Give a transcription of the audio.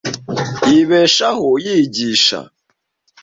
Yibeshaho yigisha.